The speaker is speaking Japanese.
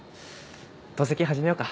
透析始めようか。